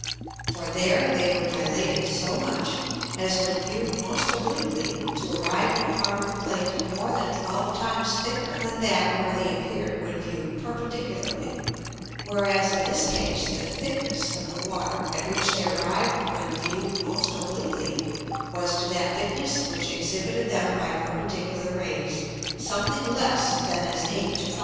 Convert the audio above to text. For there they were dilated so much as, when view'd most obliquely, to arrive at a part of the Plate more than twelve times thicker than that where they appear'd when viewed perpendicularly; whereas in this case the thickness of the Water, at which they arrived when viewed most obliquely, was to that thickness which exhibited them by perpendicular Rays, something less than as 8 to 5.